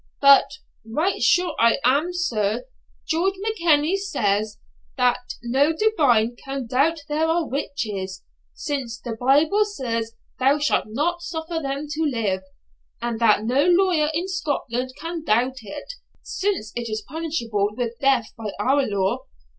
But right sure am I Sir George Mackenyie says, that no divine can doubt there are witches, since the Bible says thou shalt not suffer them to live; and that no lawyer in Scotland can doubt it, since it is punishable with death by our law.